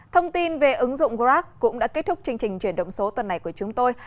thông tin về ứng dụng grab cũng đã kết thúc chương trình chuyển động số tuần này của chúng tôi